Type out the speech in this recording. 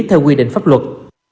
theo quy định pháp luật